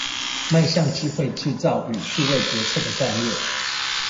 邁向智慧製造與數位決策的戰略